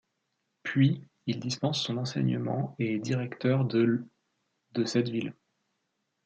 Puis il dispense son enseignement et est directeur de l' de cette ville.